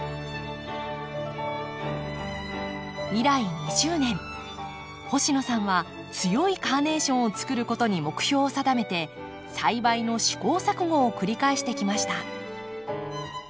以来２０年星野さんは強いカーネーションをつくることに目標を定めて栽培の試行錯誤を繰り返してきました。